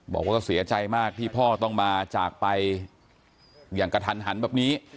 บอกว่าก็เสียใจมากที่พ่อต้องมาจากไปอย่างกระทันหันแบบนี้